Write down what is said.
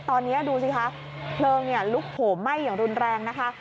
ตอนนี้ดูสิคะเพลิงลุกโหมไหม้อย่างรุนแรงนะคะ